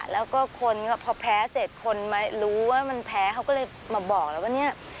แล้วก็คนพอแพ้เสร็จคนมารู้ว่ามันแพ้เขาก็เลยมาบอกแล้วว่าเนี่ย